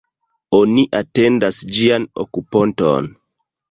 Oni atendas ĝian okuponton.